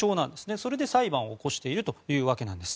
それで、裁判を起こしているというわけです。